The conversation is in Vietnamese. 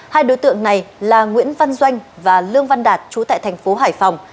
hai đối tượng này là nguyễn văn doanh và lương văn đạt chú tại thành phố hải phòng